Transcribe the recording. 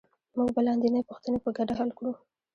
موږ به لاندینۍ پوښتنې په ګډه حل کړو